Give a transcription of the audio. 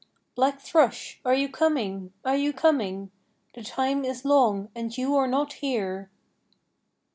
Black Thrush, are you coming, are you coming? The time is long and you are not here!